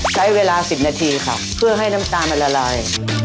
ใช้เวลา๑๐นาทีค่ะเพื่อให้น้ำตาลมันละลาย